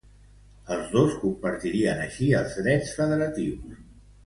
Els dos compartirien així els drets federatius.